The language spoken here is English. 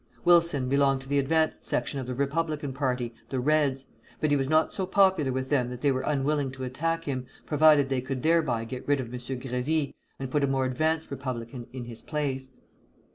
Wilson belonged to the advanced section of the Republican party, the Reds; but he was not so popular with them that they were unwilling to attack him, provided they could thereby get rid of M. Grévy, and put a more advanced Republican in his place.